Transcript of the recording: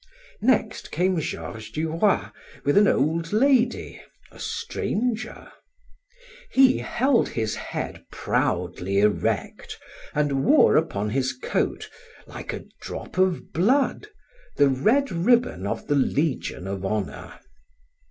Next came Georges du Roy with an old lady, a stranger. He held his head proudly erect and wore upon his coat, like a drop of blood, the red ribbon of the Legion of Honor.